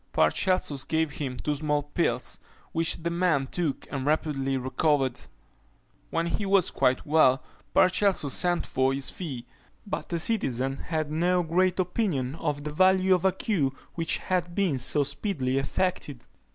Paracelsus gave him two small pills, which the man took, and rapidly recovered. When he was quite well, Paracelsus sent for his fee; but the citizen had no great opinion of the value of a cure which had been so speedily effected.